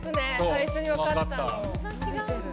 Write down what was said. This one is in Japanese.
最初に分かったの。